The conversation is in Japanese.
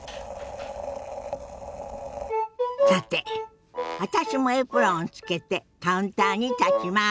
さて私もエプロンをつけてカウンターに立ちます。